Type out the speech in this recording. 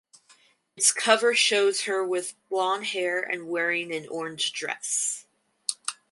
Its cover shows her with blonde hair and wearing an orange dress.